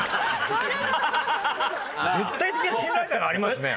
絶対的な信頼感がありますね。